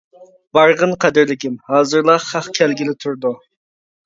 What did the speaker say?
بارغىن، قەدىرلىكىم، ھازىرلا خەق كەلگىلى تۇرىدۇ.